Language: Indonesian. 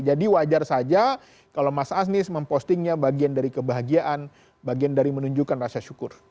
jadi wajar saja kalau mas anies mempostingnya bagian dari kebahagiaan bagian dari menunjukkan rasa syukur